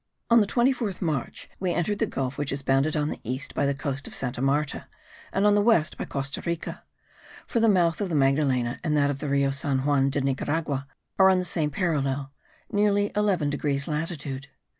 On the 24th March we entered the gulf which is bounded on the east by the coast of Santa Marta, and on the west by Costa Rica; for the mouth of the Magdalena and that of the Rio San Juan de Nicaragua are on the same parallel, nearly 11 degrees latitude.